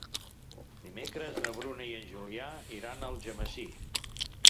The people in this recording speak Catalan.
Dimecres na Bruna i en Julià iran a Algemesí.